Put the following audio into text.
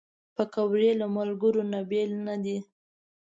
پکورې له ملګرو نه بېل نه دي